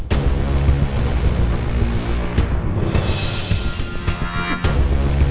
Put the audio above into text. kehuniahan dari semua penumpang dan anak anak suzuru tuh cukup utuh putih